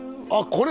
これ